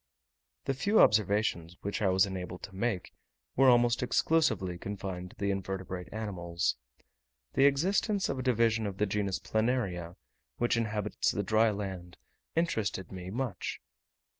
The few observations which I was enabled to make were almost exclusively confined to the invertebrate animals. The existence of a division of the genus Planaria, which inhabits the dry land, interested me much.